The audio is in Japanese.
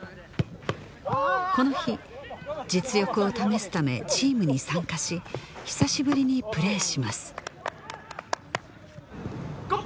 この日実力を試すためチームに参加し久しぶりにプレーします・Ｇｏ！